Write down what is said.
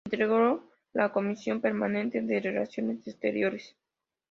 Integró la Comisión Permanente de Relaciones Exteriores.